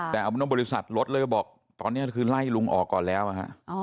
แต่อัพนมบริษัทลดเลยบอกตอนเนี้ยคือไล่ลุงออกก่อนแล้วอ่าฮะอ๋อ